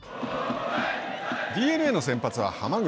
ＤｅＮＡの先発は浜口。